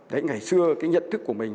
đấy ngày xưa cái nhận thức của mình